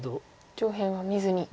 上辺は見ずに。